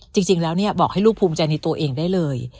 จริงแล้วบอกให้ลูกภูมิใจในตัวเองได้เลย